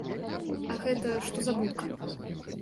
А гэта, што за будка?